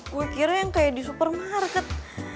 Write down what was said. gue kiranya yang kayak di supermarket